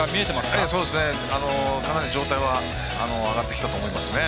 かなり状態は上がってきたと思いますね。